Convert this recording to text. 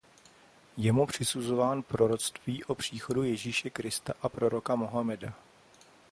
Je mu přisuzován proroctví o příchodu Ježíše Krista a proroka Mohameda.